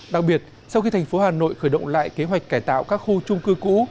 đặc biệt sau khi thành phố hà nội khởi động lại kế hoạch cải tạo các khu trung cư cũ